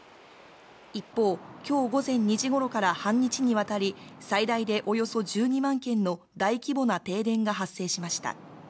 一方、きょう午前２時ごろから半日にわたり、最大でおよそ１２万軒の大規模な停電が発生しました。